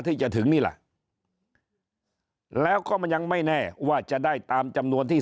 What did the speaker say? ที่จะถึงนี่ล่ะแล้วก็มันยังไม่แน่ว่าจะได้ตามจำนวนที่